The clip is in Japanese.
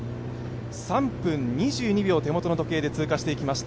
３分２２秒、手元の時計で通過していきました。